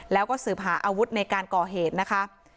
แล้วก็สืบหาอาวุธในการก่อเหตุนะคะ